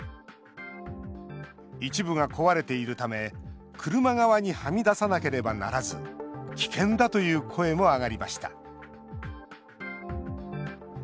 一部が壊れているため車側に、はみ出さなければならず危険だという声も上がりました。